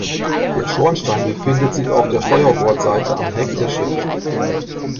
Der Schornstein befindet sich auf der Steuerbordseite am Heck der Schiffe.